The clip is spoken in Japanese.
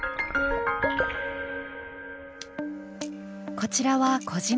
こちらは小嶋流。